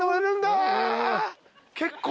結構。